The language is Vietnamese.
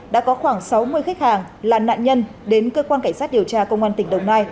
đã có khoảng sáu mươi khách hàng là nạn nhân đến cơ quan cảnh sát điều tra công an tỉnh đồng nai